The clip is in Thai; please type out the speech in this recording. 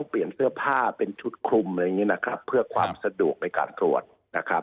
เปลี่ยนเสื้อผ้าเป็นชุดคลุมเพื่อความสะดวกในการตรวจ